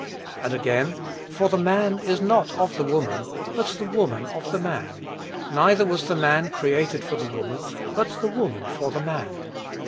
And, again, "For the man is not of the woman; but the woman of the man; neither was the man created for the woman; but the woman for the man....